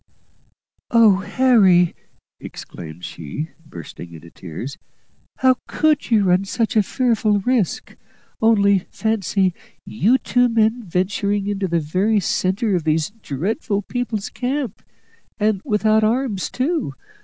"Oh! Harry," exclaimed she, bursting into tears, "how could you run such a fearful risk! Only fancy, you two men venturing into the very centre of these dreadful people's camp, and without arms too!